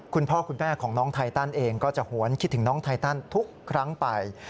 คุณพ่อคุณแม่ของน้องไทตันเองก็จะหวนคิดถึงน้องไทตันทุกครั้งไป